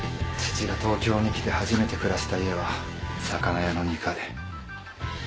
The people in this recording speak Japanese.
父が東京に来て初めて暮らした家は魚屋の２階。